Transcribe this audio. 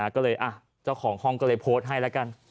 ก็เลยเจ้าของห้องก็เลยโพสต์ให้แล้วกัน